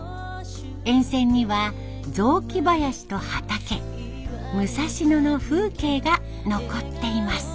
沿線には雑木林と畑武蔵野の風景が残っています。